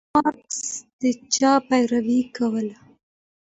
مارکس د چا پيروي کوله؟